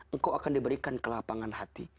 engkau akan diberikan kelapangan hati